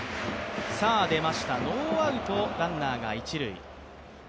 出ました、ノーアウト、ランナーが一塁。